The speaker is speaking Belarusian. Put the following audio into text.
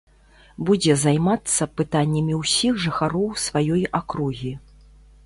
Будзе займацца пытаннямі ўсіх жыхароў сваёй акругі.